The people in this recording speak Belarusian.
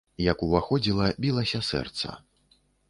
Як уваходзіла, білася сэрца.